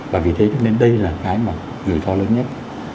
và vì thế cho nên đây là cái mà rủi ro lớn nhất